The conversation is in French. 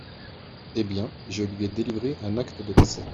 Eh bien, je lui ai délivré un acte de décès.